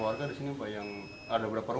yang cheers netanya columbia stanley